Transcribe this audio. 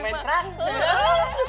sekarang boleh nang mencran